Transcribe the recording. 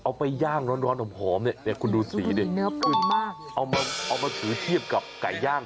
เอาไปย่างร้อนอมนี่นี่คุณดูสีนี่เอามาถือเทียบกับไก่ย่าง